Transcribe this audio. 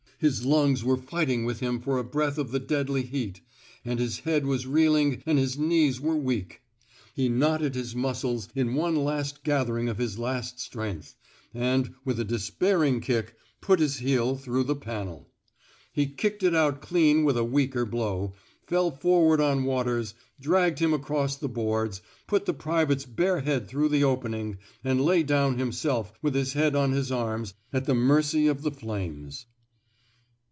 His lungs were fighting with him for a breath of the deadly heat, and his head was reeling and his knees were weak. He knotted his muscles in one last gathering of his last strength, and, with a despairing kick, put his heel through the panel. He kicked it out clean with a weaker blow, fell forward on Waters, dragged him across the boards, put the private's bare head through the opening, and lay down him self with his head on his arms, at the mercy of the flames.